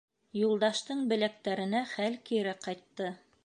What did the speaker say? Юлдаштың беләктәренә хәл кире ҡайтты.